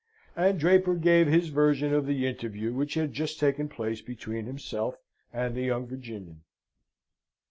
And Draper gave his version of the interview which had just taken place between himself and the young Virginian.